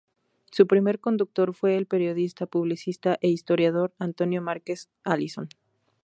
Su primer conductor fue el periodista, publicista e historiador, Antonio Márquez Allison.